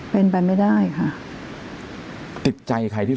คุณแม่ก็ไม่อยากคิดไปเองหรอก